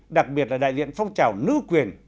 đặc biệt là đại diện phong trào nữ quyền